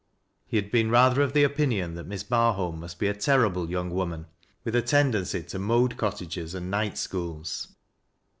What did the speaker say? He had been rather of the opinion that Miss Barliolii must be a terrible young woman, with a tendency to modu cottages and night schools.